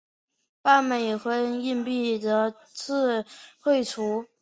半美分硬币则予废除。